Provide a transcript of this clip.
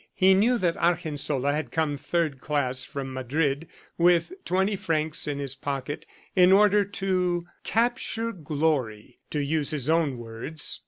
He knew that Argensola had come third class from Madrid with twenty francs in his pocket, in order to "capture glory," to use his own words.